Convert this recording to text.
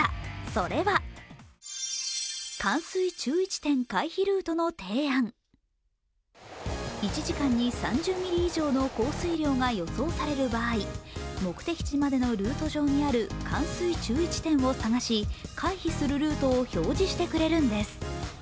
それは１時間に３０ミリ以上の降水量が予想される場合、目的地までのルート上にある冠水注意地点を探し回避するルートを表示してくれるんです。